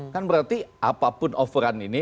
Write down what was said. kan berarti apapun offeran ini